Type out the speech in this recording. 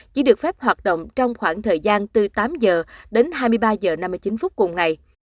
chỉ được phép hoạt động trong khoảng thời gian từ tám giờ đến hai mươi ba h năm mươi chín phút cùng ngày